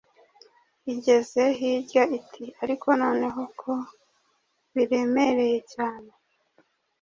Igeze hirya iti “Ariko noneho ko biremereye cyane